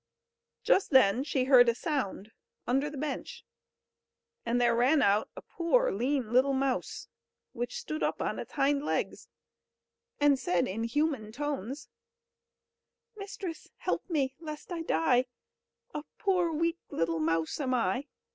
Just then she heard a sound under the bench, and there ran out a poor, lean little mouse, which stood up on its hind legs, and said in human tones: "Mistress! help me lest I die A poor weak, little mouse am I!